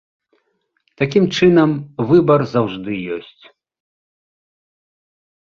Такім чынам, выбар заўжды ёсць.